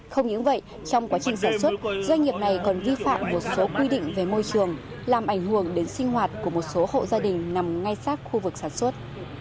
không những vậy trong quá trình sản xuất doanh nghiệp này còn vi phạm một số quy định về môi trường làm ảnh hưởng đến sinh hoạt của một số hộ gia đình nằm ngay sát khu vực sản xuất